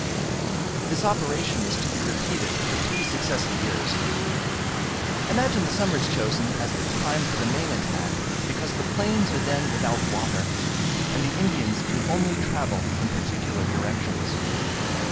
This operation is to be repeated for three successive years. I imagine the summer is chosen as the time for the main attack, because the plains are then without water, and the Indians can only travel in particular directions.